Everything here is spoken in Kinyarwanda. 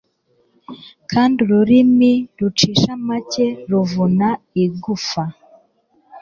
kandi ururimi rucisha make ruvuna igufa